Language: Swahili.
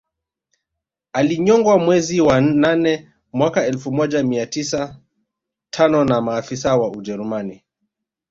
Alinyongwa mwezi wa nane mwaka elfu moja mia tisa tano na maafisa wa Ujerumani